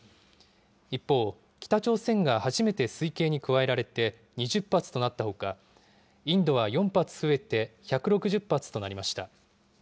一方、北朝鮮が初めて推計に加えられて２０発となったほか、インドは４発増えて１６０発となりました。